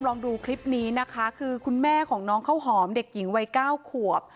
ลองดูคลิปนี้นะคะคือคุณแม่ของน้องข้าวหอมเด็กหญิงวัยเก้าขวบ